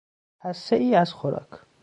حصهای از خوراک